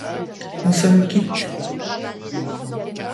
Nous sommes quittes.